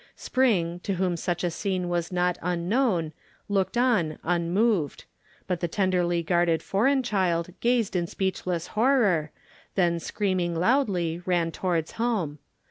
Spring, to whom such a scene was not unknown, looked on unmoved, but the tenderly guarded foreign child gazed in speechless horror, then screaming loudly ran towards home.